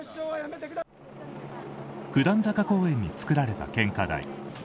九段坂公園に作られた献花台。